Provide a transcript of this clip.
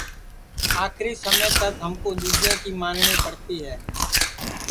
کوئی بھی لہوڑی سے لہوڑی چیج لئیوٹؔے نتر آکری سما تک ہمکُو دؔوجے کی مانٹؔی پڑتی ہے